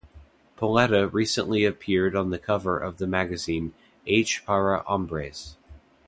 Paleta recently appeared on the cover of the magazine "H para Hombres".